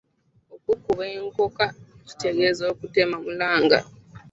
Okukuba enkooka kitegeeza kutema mulanga.